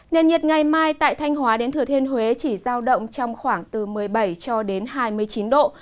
nền nhiệt ngày mai tại thanh hóa đến thừa thiên huế chỉ giao động trong khoảng từ một mươi bảy cho đến hai mươi chín độ